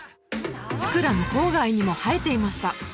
スクラの郊外にも生えていました